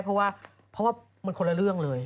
เพราะว่ามันคนละเรื่องเลย